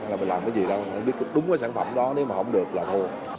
làm cái gì đâu đúng cái sản phẩm đó nếu mà không được là thua